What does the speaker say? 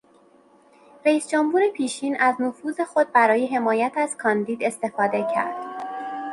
رییس جمهور پیشین از نفوذ خود برای حمایت از کاندید استفاده کرد.